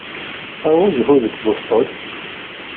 Ṛwu zzhu deg Boston.